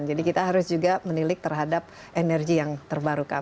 jadi kita harus juga menilik terhadap energi yang terbarukan